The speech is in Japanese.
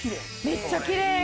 めっちゃきれい。